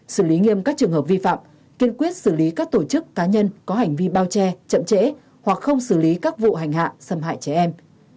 xử lý nghiêm các trường hợp vi phạm kiên quyết xử lý các tổ chức cá nhân có hành vi bao che chậm trễ hoặc không xử lý các vụ hành hạ xâm hại trẻ em